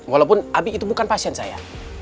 walaupun abi itu bukan pasien saya